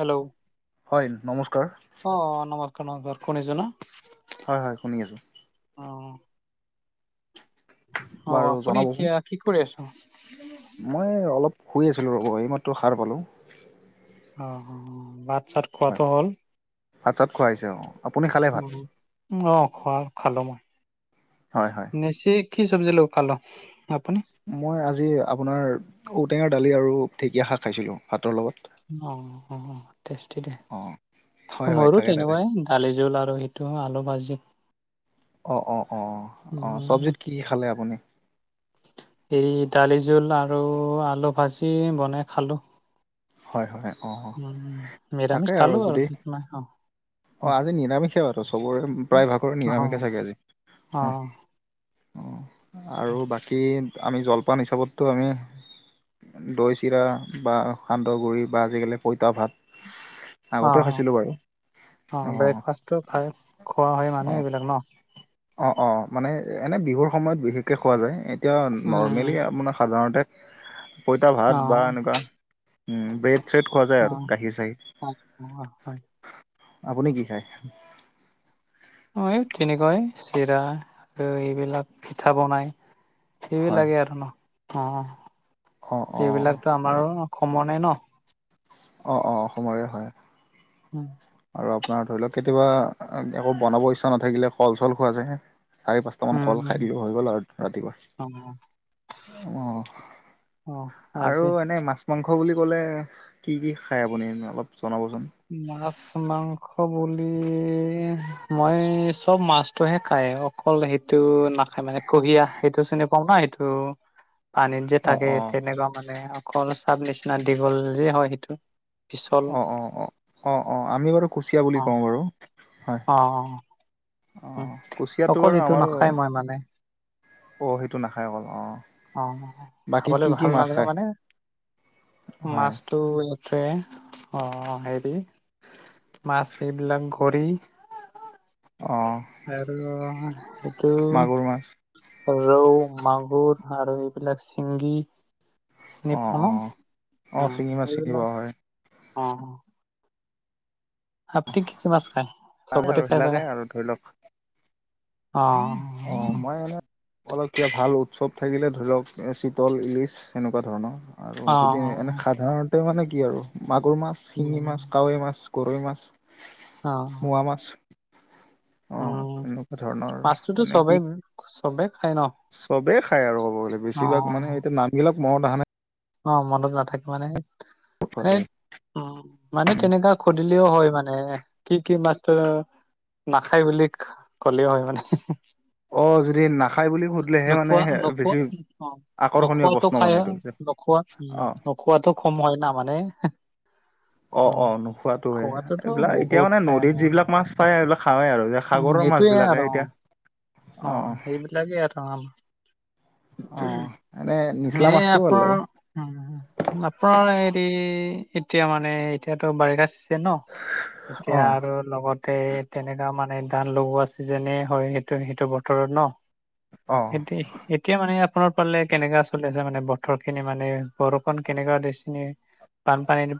Hello হয় নমস্কাৰ অ নমস্কাৰ নমস্কাৰ শুনিছো ন হয় হয় শুনি আছো। অ অ বাৰু আপুনি জনাবচোন এতিয়া কি কৰি আছ মই অলপ শুই আছিলো ৰব এই মাত্ৰ সাৰ পালো অ ভাত চাত হয় খোৱাটো হ'ল? ভাত চাত খোৱা হৈছে অ আপুনি খালে ভাত অ খোৱা খালো মই হয় হয় নেচি কি চব্জি লগত খালো আপুনি মই আজি আপোনাৰ ঔটেঙাৰ দালি আৰু ঢেঁকীয়া শাক খাইছিলোঁ ভাতৰ লগত অ অ তেষ্টি দে অ হয় হয় মোৰো তাকে তাকে তেনেকুৱাই দালি জোল আৰু সেইটো আলু ভাজি অ অ অ অ উম চব্জিত কি খালে আপুনি হেৰি দালি জোল আৰু আলু ভাজি বনাই খালো হয় হয় অ অ উম তাকে নিৰামিষ খালো আৰু যদি সিখ নাই স অ আজি নিৰামিষেই বাৰু চবৰে উম। প্ৰায় ভাগৰে অ নিৰামিষে চাগে আজি অ হয় অ আৰু বাকী আমি জলপান হিচাপততো আমি দৈ চিৰা বা সান্দহ গুড়ি বা আজিকালি পঁইতা ভাত অ আগতে অ খাইছিলোঁ বাৰু অ ব্ৰেকফাষ্টটো খাই খোৱা হয় মানে অ'। এইবিলাক ন অ অ মানে এনেই বিহুৰ সময়ত বিশেষকৈ খোৱা যায় এতিয়া নৰ্মেলি উম, আপোনাৰ সাধাৰণতে পঁইতা ভাত বা অ', এনেকুৱা ব্ৰেড চেট খোৱা যায় আৰু অ', গাখীৰ অ', অ হয়। চাহীৰ, আপুনি কি খায়? তেনেকৈ চিৰা আৰু এইবিলাক পিঠা বনাই হয় সেইবিলাকেই আৰু ন অ অ', অ', সেইবিলাকতো আমাৰো অসমৰে ন। অ অ অসমৰে হয় উম আৰু আপোনাৰ ধৰি লওক কেতিয়াবা আকৌ বনাব ইচ্ছা নাথাকিলে কল চল খোৱা যায় চাৰি পাঁচ টামান কল উম, খাই দিলো হৈ গ'ল আৰু ৰাতিপুৱাই অ', অ অ', আৰু আজি এনেই মাছ মাংস বুলি ক'লে কি কি খায় আপুনি অলপ জনাবচোন? মাছ মাংস বুলি মই চব মাছতটোহে খাই অ, অকল সেইটো নাখায় মানে কুহিয়া সেইটো চিনি পাও না সেইটো, পানীত যে অ', থাকে অ', তেনেকুৱা মানে অকল চাব নিচিনা দীঘল যে হয় সেইটো। পিছল অ অ অ অ অ আমি বাৰু কুচিয়া বুলি কওঁ বাৰু, হয় অ অ, অ কুচিয়াটো অকল বাৰু সিটো আমাৰো, নাখায় মই মানে অঁ সেইটো নাখায় অকল অঁ, অ খাবলৈ ভাল নালাগে মানে হয় মাছ। টো ইয়াতে অ হেৰি মাছ এইবিলাক ঘৰি। অঁ, আৰু সেইটো। মাছ ৰৌ মাগুৰ আৰু এইবিলাক চিংগি, চিনি অ', পোৱা ন অ', অ শিঙি মাছ চিঙি সেইবিলাক পোৱা হয় অ, আপূ কি কি মাছ খায় সবতে আৰু খাই সেইবিলাকে চাগে। আৰু ধৰি লওক অ অ মই এনে, অলপ কে ভাল উৎসৱ থাকিলে ধৰি লওক চিতল ইলিচ সেনেকুৱা ধৰণৰ। আৰু অ যদি এনে অ সাধাৰণতে মানে কি আৰু মাগুৰ মাছ, শিঙি মাছ, কাৱৈ মাছ। গৰৈ মাছ। অ মোৱা মাছ অ ধৰণৰ মাছটোতো এনে চবেই কি চবেই খাই ন চবেই খাই আৰু ক'ব গ'লে অ বেছিভাগ মানে। নামবিলাক মনত অহা নাই। অ, মনত নাথাকে মানে মানে, নাই উম, মানে তেনেককা সুধিলেও হয় মানে কি কি মাছটো নাখায় বুলি ক'লেও হয় মানে। অ যদি নাখায় বুলি সুধিলেহে মানে নখোৱা নখোৱা বেছি অ, আকৰ্ষণীয় নোখোৱাটো প্ৰশ্ন খাই। মানে এইটো নোখোৱা অ নোখোৱাটো কম হয় ন মানে অ, উম। অ নোখোৱাতোৱে খোৱাটোতো এইবিলাক এতিয়া বহুত মানে খাই নদীত আমি যিবিলাক মাছ পায় এইবিলাক খাৱেই আৰু উম, সাগৰৰ মাছ সেইটোয়ে আৰু বিলাকে অ', এতিয়া অ সেইবিলাকেই আৰু অ, অ এনে এ, নিচলা মাছটোও ভাল লাগে আপোন আপোনাৰ হেৰি এতিয়া মানে এতিয়াতো বাৰিষা চিজেন ন। অ এতিয়া আৰু লগতে তেনেকা মানে ধান লগোৱা চিজনে হয়। সেইটো বতৰত ন অ সেইতে এতিয়া মানে আপোনাৰ পালে কেনেকা চলি আছে মানে বতৰ খিনি মানে বৰষুণ কেনেকুৱা দেখিছেনে। বানপানী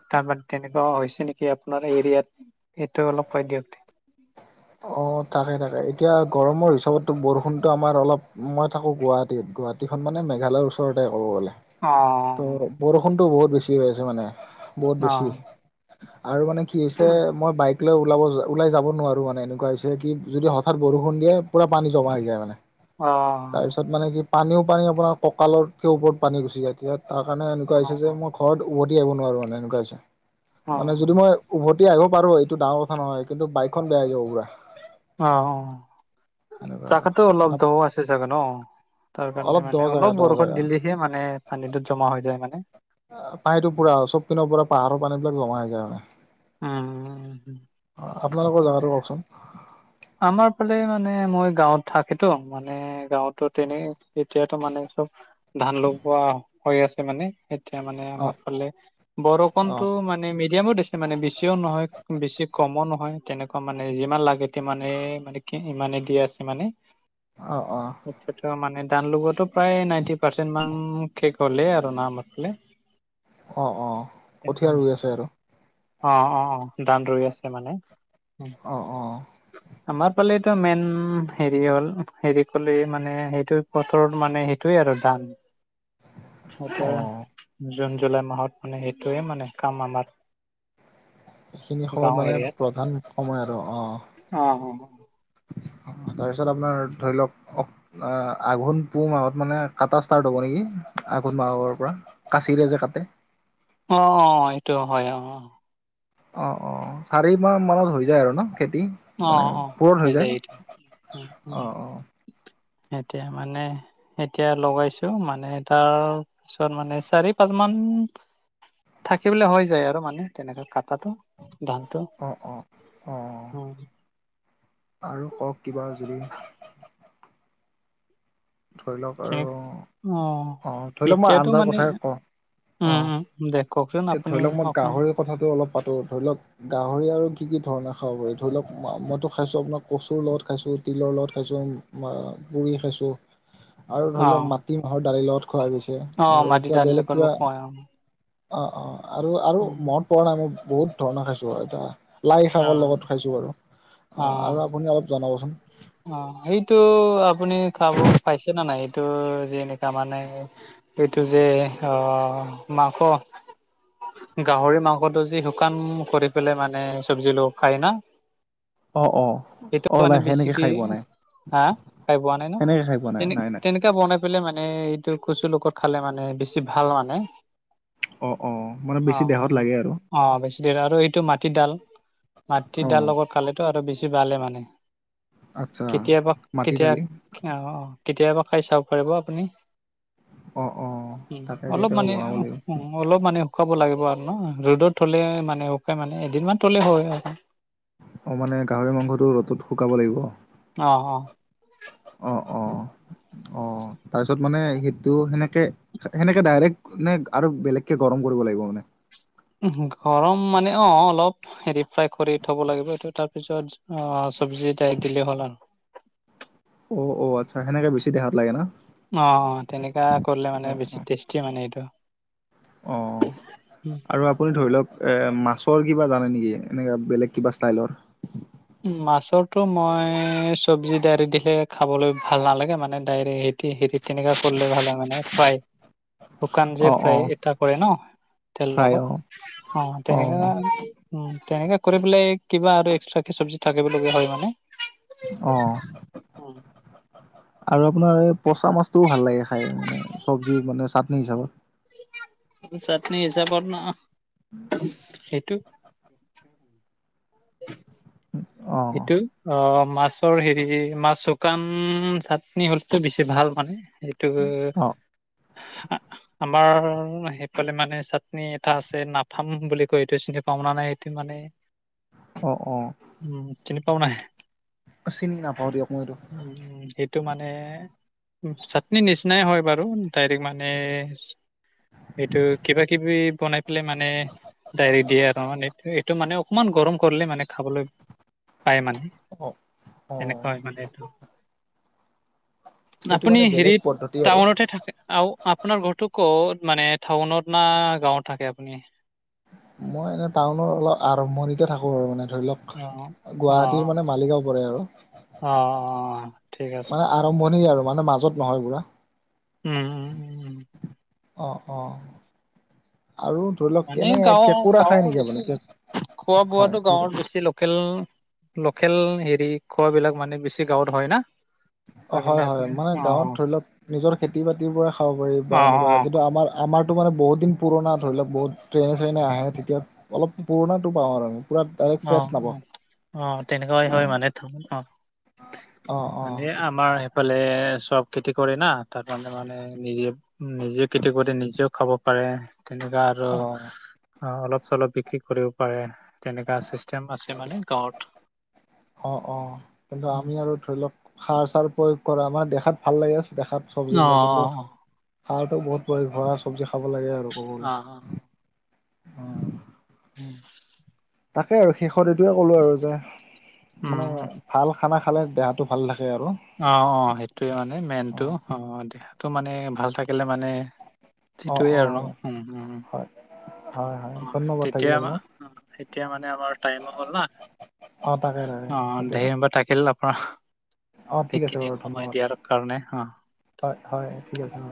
তেনেকুৱা হৈছে নেকি আপোনাৰ এৰিয়াত সেইটো অলপ কৈ দিয়ক। অ, থাকে থাকে এতিয়া গৰমৰ হিচাপতো বৰষুণতো আমাৰ অলপ মই থাকো গুৱাহাটীত গুৱাহাটী। নদীখন মানে মেঘালৰ ওচৰতে ক'ব গ'লে। অ, ত' বৰষুণটো বহুত বেছি হৈ আছে মানে বহুত অ বেছি আৰু মানে কি হৈছে মই বাইক ওলাব ওলাই যাব নোৱাৰো মানে এনেকুৱা হৈছে কি যদি হঠাৎ বৰষুণ দিয়ে পুৰা পানী জমা হৈ যায় মানে। অ। তাত মানে কি পানীও পানী আপোনাৰ কঁকালত ওপৰত পানী গুচি যায়। এতিয়া তাৰ কাৰণে এনেকুৱা হৈছে যে মই ঘৰত উভতি আহিব নোৱাৰোঁ মানে এনেকুৱা হৈছে। অ মানে যদি মই অ উভতি আহিব পাৰো এইটো ডাঙৰ কথা নহয়। কিন্তু বাইক খন বেয়া হৈ যাব পোৰা। অ এনেকুৱা তাকটো অলপ আৰু দও আছে চাগে ন। তাৰ কাৰণে মানে দ জেগা অলপ দ বৰষুণ জেগা দিলেহে মানে পানীটোত জমা হৈ যায় মানে। পানীটো পৰা চব পিনৰ পুৰা পাহাৰৰ পানী বিলাক জমা হৈ যায় মানে। উম। অ' আপোনালোকৰ জেগাটো কওকচোন আমাৰ ফালে মানে মই গাঁৱত থাকেতো মানে গাঁৱত এনেই এতিয়াতো মানে চব ধান লগোৱা হৈ আছে মানে সেই এতিয়া মানে অ আমাৰ ফালে অ বৰষুণতটো মানে মিডিয়ামো দিছে। মানে বেছিও নহয়, বেছি কমো নহয় তেনেকুৱা মানে যিমান লাগে সিমানে মানে। ইমানে দি আছে মানে। অ, অ'। মানে দান লগোৱাটো প্ৰায় নাইনটি পাৰ্চেণ্ট মান শেষ হলে আৰু নম ফালে। অ, অ' কঠীয়া ৰুই আছে আৰু। অ, অ, অ' দান ৰৈ আছে মানে। অ', অ। [unintelligible] আমাৰ ফালে তো মেইন হেৰি হ'ল হেৰি কলে মানে সেইটো পথৰৰ মানে সেইটোৱে আৰু দাম। এয়া অ জুন, জুলাই মাহত মানে সেইটোয়ে মানে কাম আমাৰ। সেইখিনি সময়ত গাঁও মানে এৰিয়াত প্ৰধান সময় আৰু অ'। অ [unintelligible] তাৰপিছত আপোনাৰ ধৰি লওঁক অ, আঘোন, পুহ মাহত মানে কাটা ষ্টাৰ্ট হব নেকি? আঘোণ মাহৰ পৰা। কাচিৰে যে কাটে। অ, অ' এইটো হয় অ, অ। অ, অ চাৰি মাহ মানত হৈ যায় আৰু ন খেতি? অ মানে অ পুৰত হৈ যায় এইটো উম, উম, অ, অ। এতিয়া মানে এতিয়া লগাইছো মানে তাৰ পিছত মানে চাৰি, পাঁচ মান থাকিবলৈ হৈ যায় আৰু মানে তেনেকে কটাটো ধানটো। অঁ, অঁ, অঁ, অঁ উম, আৰু কওক কিবা যদি ধৰি লওক আৰু ঠিক অ, ধৰি লওক মই এতিয়াতো আঞ্জাৰ মানে কথাই কওঁ। অ, উম উম দে কওকচোন এতিয়া আপুনি ধৰি লওক মই অকমান গাহৰিৰ কথাটো অলপ পাতো ধৰি লওক। গাহৰি আৰু কি-কি ধৰণৰ খাব পাৰি ধৰি লওক, মইতো খাইছো আপোনাৰ কচুৰ লগত খাইছো, তিলৰ লগত খাইছো। পুৰি খাইছোঁ। আৰু ধৰি লওক অ', মাটি মাহৰ দালিৰ লগত খোৱা গৈছে অ', আৰু মাটি কিবা দাইল বেলেগ লগত কিবা খুৱাই অ', অ', অ', আৰু আৰু উম। মনত পৰা নাই মই বহুত ধৰণৰ খাইছো আৰু এটা। লাই শাকৰ অ', লগত খাইছোঁ বাৰু অ, অ', আৰু আপুনি অলপ জনাবচোন? অ, এইটো আপুনি খাব পাইছে ন নাই এই এইটো যেনেকা মানে এইটো যে অ, মাংস গাহৰি মাংসটো যি শুকান কৰি পেলাই মানে চব্জিৰ লগত খায় না? অ', অ', সেইটো অ', মানে লাহ সেনেকে বেছিকে খাই পোৱা নাই হা খাই পোৱা নাই ন সেনেকে খাই পোৱা নাই তেনে নাই নাই তেনেকোৱা বনাই পেলাই মানে এইটো কচুৰ লগত খালে মানে বেছি ভাল মানে। অ', অ', মানে বেছি অ'। দেহত লাগে আৰু। অ, বেছি দেৰ আৰু এইটো অ মাটিডাল-মাটিডাল লগত খালেতো আৰু বেছি ভালেই মানে। আচ্ছা কেতিয়াবা মাটি কেতিয়া দালি অ, অ, কেতিয়াবা খাই চাব পাৰিব আপুনি। অ অ উ'ম, তাকে অলপ কেতিয়াবা মানে বনাব লাগিব উ'ম। অলপ মানে শুকাব লাগিব আৰু ন ৰ'দত থ'লে মানে শুকাই মানে এদিনমান থ'লে হয় আৰু। অ, মানে গাহৰি মাংসটো ৰ'দত শুকাব লাগিব? অ', অ', অ', অ', অ', তাৰপিছত মানে সেইটো সেনেকে সেনেকে ডাইৰেক্ট নে আৰু বেলেগকে গৰম কৰিব লাগিব মানে? উ'ম, গৰম মানে অ, অলপ। হেৰি ফ্ৰাই কৰি থ'ব লাগিব, সেইটো তাৰ পিছত অ, চব্জি ডাইৰেক্ট দিলেই হ'ল আৰু। অ', অ', আচ্ছা, সেনেকে বেছি দেহাত লাগে ন? অ, তেনেককা কৰিলে মানে অ বেছি টেষ্টি মানে এইটো। অ', উম, আৰু আপুনি ধৰি লওঁক এ মাছৰ কিবা জানে নেকি এনেকা বেলেগ কিবা ষ্টাইলৰ? মাছৰটো মই চব্জি ডাইৰেক্ট দিলে খাবলৈ ভাল নালাগে ডাইৰেক্ট হেটি হেৰি তেনেকা কৰলে ভালে হয় মানে ফ্ৰাই শুকান যে অ অ ফ্ৰাই এটা কৰে ন তেল ফ্ৰাই অ লগত? অ', তেনেকা উম, তেনেকাে কৰি পেলাই কিবা আৰু এক্সট্ৰা চব্জি থাকিবলগীয়া হয় মানে। অ'। উম আৰু আপোনাৰ এই পচা মাছটোও ভাল লাগে খাই মানে চব্জি মানে চাটনি হিচাপত। চাটনি হিচাপত ন? সেইটো অ সেইটো অ', মাছৰ হেৰি মাছ শুকান চাটনি হ'লেতো বেছি ভাল মানে। অ [unintelligible] আমাৰ সেইফালে মানে চাটনি এটা আছে নাফাম বুলি কয় এইটো চিনি পাওনা নাই সেইটো মানে অ', অ'। উম, চিনি পাও নাই? অ', চিনি নাপাওঁ দিয়ক মইটো। উম, সেইটো মানে চাটনি নিচিনাই হয় বাৰু ডাইৰেক্ট মানে সেইটো কিবা-কিবি বনাই পেলাই মানে ডাইৰেক্ট দিয়ে আৰু মানেটো এইটো মানে অকণমান গৰম কৰিলে মানে খাবলৈ পাই মানে, অ অ হয় মানে এইটো। সেইটো আপুনি মানে বেলেগ হেৰিত, পদ্ধতি আৰু টাউনতে থাক আৰু আপোনাৰ ঘৰটো ক'ত, মানে টাউনত না গাঁৱত থাকে আপুনি? মই এনেই টাউনৰ অলপ আৰম্ভণিতে থাকোঁ আৰু মানে ধৰিলওক অ অ গুৱাহাটীৰ মানে মালিগাঁও পৰে আৰু। অ অ ঠিক আছে মানে আ আৰম্ভণি আৰু মানে মাজত নহয় পোৰা। উম। উম উম উম অ', অ', আৰু ধৰিলওক মানে কেনে কেঁকোৰা খাই নেকি বেছি আপুনি? কে খোৱা-বোৱাটো গাঁৱৰ বেছি লগ উম, লোকেল হেৰি খোৱাবিলাক মানে বেছি গাঁৱত হ'য় না? তাৰ অ', কাৰণে হয়, হয়। আপুনি মানে অ গাঁৱত ধৰিলওঁক নিজৰ খেতি -বাতিৰ পৰা খাব পাৰি বা অ এনেকুৱা কিন্তু আমাৰ আমাৰটো মানে বহুতদিন পুৰণা ধৰিলওঁক, বহুত ট্ৰেইনে-চেইনে আহে তেতিয়া অলপ পুৰণাটো পাওঁ আৰু আমি। পুৰণ্‌ অ', অ'। অ', তেনেকুৱাই হ'য় মানে থ অ' অ', অ'। এ আমাৰ সেইফালে চ'ব খেতি কৰে না, তাত মানে মানে এ নিজে, নিজে খেতি কৰি নিজেও খাব পাৰে, তেনেকুৱা আ আৰু অ অ অলপ- চলপ বিক্ৰী কৰিব পাৰে। তেনেকা চিষ্টেম আছে মানে গাঁৱত অ', অ', কিন্তু আমি আৰু ধৰিলওঁক সাৰ-চাৰ প্ৰয়োগ কৰা। আমাৰ দেখাত ভাল লাগে দেখাত অ', চব্জিবিলাক কিন্তু অ', সাৰটো বহুত প্ৰয়োগ হোৱা চব্জি খাব লাগে আৰু। ক'ব গ'লে অ', অ'। অ'। উম। তাকে আৰু শেষত এইটোৱে ক'লো আৰু যে মানে উম, ভাল খানা খালে দেহাটো ভাল থাকে আৰু। অ', অ', সেইটোৱে মানে মেইনটো। অ', দেহাটো মানে, ভাল থাকিলে মানে অ', সেইটোৱে আৰু ন'? অ', উম, উম। হয়, হয়, হয়, অ', ধন্যবাদ থাকিল তেতিয়া মনে, আপোনাক উম এতিয়া মানে আমাৰ টাইমো হ'ল না? অ', তাকে তাকে অ', সেইটো ধন্যবাদ থাকিল আও অ', সেই ঠিক আছে বাৰু সময় ধন্যবাদ দিয়াৰ কাৰণে অ'। হয় হয় ঠিক আছে, অ।